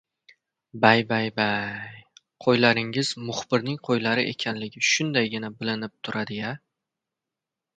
— Bay-bay-bay, qo‘ylaringiz muxbirning qo‘ylari ekanligi shundaygina bilinib turadi-ya!